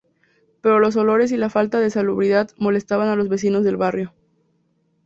Pero los olores y la falta de salubridad molestaban a los vecinos del barrio.